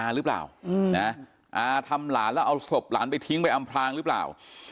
หรือเปล่าอาทำหลานแล้วเอาศพหลานไปทิ้งไปอำพลางหรือเปล่า